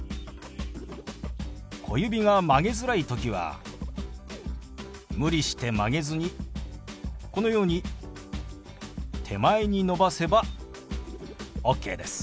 小指が曲げづらい時は無理して曲げずにこのように手前に伸ばせばオッケーです。